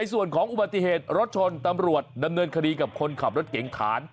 ส่วนของอุบัติเหตุรถชนตำรวจดำเนินคดีกับคนขับรถเก๋งฐาน